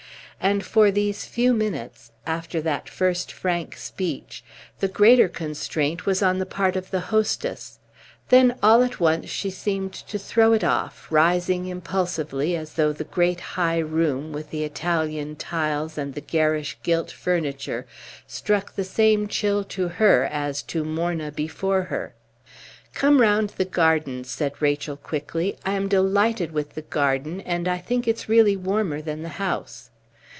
And for these few minutes, after that first frank speech, the greater constraint was on the part of the hostess; then all at once she seemed to throw it off, rising impulsively, as though the great high room, with the Italian tiles and the garish gilt furniture, struck the same chill to her as to Morna before her. "Come round the garden," said Rachel, quickly. "I am delighted with the garden, and I think it's really warmer than the house."